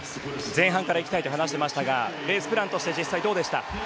前半から行きたいと話していましたがレースプランとして実際どうでしたか？